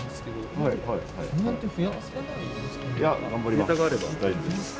データがあれば大丈夫です。